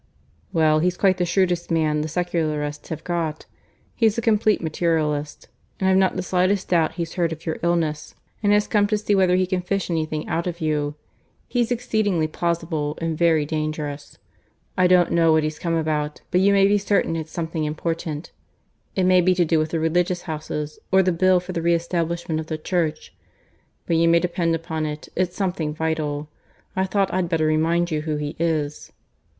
"Well, he's quite the shrewdest man the secularists have got. He's a complete materialist. And I've not the slightest doubt he's heard of your illness and has come to see whether he can fish anything out of you. He's exceedingly plausible; and very dangerous. I don't know what he's come about, but you may be certain it's something important. It may be to do with the Religious Houses; or the Bill for the re establishment of the Church. But you may depend upon it, it's something vital. I thought I'd better remind you who he is."